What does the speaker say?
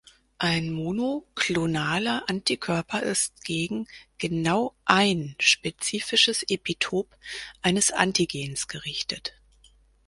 Ein monoklonaler Antikörper ist gegen "genau ein" spezifisches Epitop eines Antigens gerichtet.